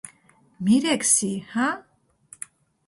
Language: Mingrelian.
მირექ სი ჰა ?